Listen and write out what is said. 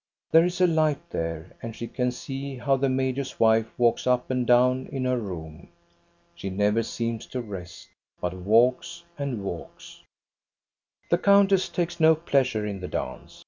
There is a light there and she can see how the major's wife walks up and down in her room. She never seems to rest, but walks and walks. The countess takes no pleasure in the dance.